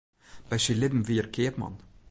By syn libben wie er keapman.